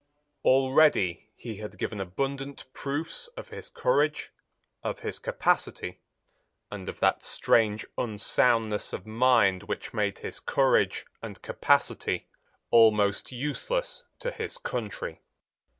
Already he had given abundant proofs of his courage, of his capacity, and of that strange unsoundness of mind which made his courage and capacity almost useless to his country.